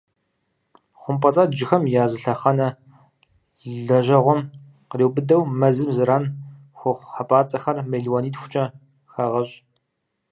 Хъумпӏэцӏэджхэм я зы лъэхъэнэ лэжьэгъуэм къриубыдэу, мэзым зэран хуэхъу хьэпӏацӏэхэр мелуанитхукӏэ хагъэщӏ.